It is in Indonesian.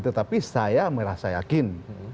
tetapi saya merasa yakin